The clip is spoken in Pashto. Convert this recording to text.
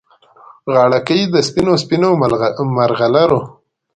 غاړګۍ د سپینو، سپینو مرغلرو